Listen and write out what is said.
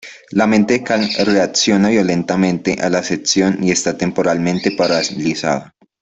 La mente de Cal reacciona violentamente a la sesión y está temporalmente paralizado.